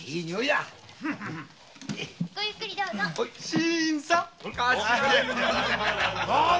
新さん！